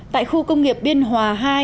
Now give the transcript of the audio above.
tại khu công nghiệp biên hòa hai